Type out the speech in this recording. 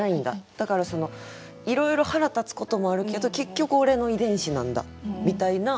だからそのいろいろ腹立つこともあるけど結局俺の遺伝子なんだみたいなことなのかな。